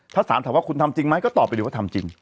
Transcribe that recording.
ถ้าสารถามว่าคุณทำจริงไหมก็ตอบไปเลยว่าทำจริง